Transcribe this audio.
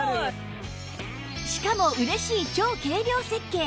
しかも嬉しい超軽量設計